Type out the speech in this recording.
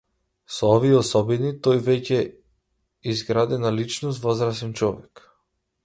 Со овие особини, тој е веќе изградена личност, возрасен човек.